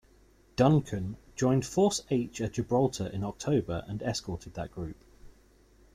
"Duncan" joined Force H at Gibraltar in October and escorted that group.